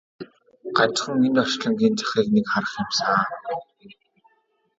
Ганцхан энэ орчлонгийн захыг нэг харах юмсан!